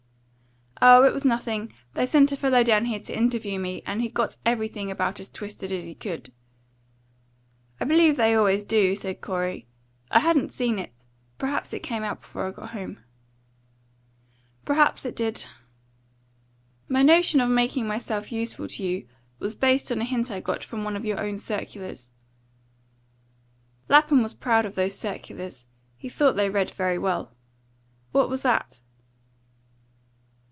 "Oh, it was nothing. They sent a fellow down here to interview me, and he got everything about as twisted as he could." "I believe they always do," said Corey. "I hadn't seen it. Perhaps it came out before I got home." "Perhaps it did." "My notion of making myself useful to you was based on a hint I got from one of your own circulars." Lapham was proud of those circulars; he thought they read very well. "What was that?"